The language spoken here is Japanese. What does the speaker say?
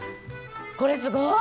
これすごい！